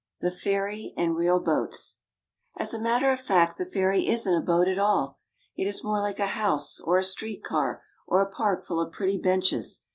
The Ferry and Real Boats As a matter of fact the ferry isn't a boat at all. It is more like a house or a street car or a park full of pretty benches.